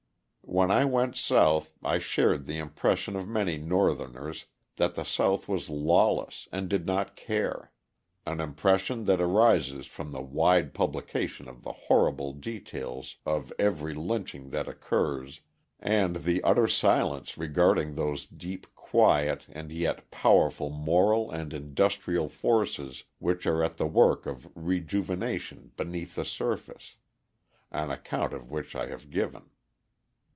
When I went South I shared the impression of many Northerners that the South was lawless and did not care an impression that arises from the wide publication of the horrible details of every lynching that occurs, and the utter silence regarding those deep, quiet, and yet powerful moral and industrial forces which are at the work of rejuvenation beneath the surface an account of which I have given.